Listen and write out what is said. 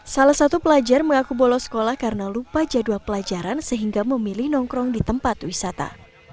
salah satu pelajar mengaku bolos sekolah karena lupa jadwal pelajaran sehingga memilih nongkrong di tempat wisata